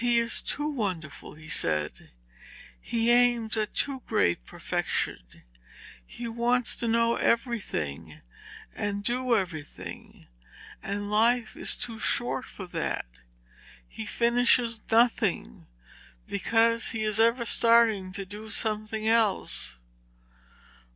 'He is too wonderful,' he said. 'He aims at too great perfection. He wants to know everything and do everything, and life is too short for that. He finishes nothing, because he is ever starting to do something else.'